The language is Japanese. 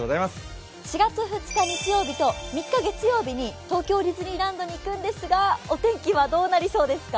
４月２日日曜日と３日月曜日に東京ディズニーランドに行くのですが、お天気はどうなりそうですか。